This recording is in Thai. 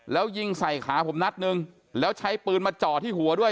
แล้วยิงใส่ขาผมนัดนึงแล้วใช้ปืนมาจ่อที่หัวด้วย